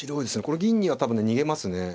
これ銀には多分ね逃げますね。